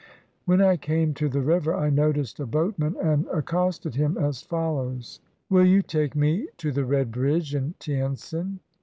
When I came to the river, I noticed a boatman and accosted him as follows: — "Will you take me to the Red Bridge in Tientsin?"